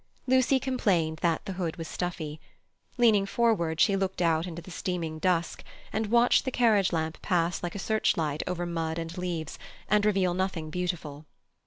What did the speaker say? Lucy complained that the hood was stuffy. Leaning forward, she looked out into the steaming dusk, and watched the carriage lamp pass like a search light over mud and leaves, and reveal nothing beautiful.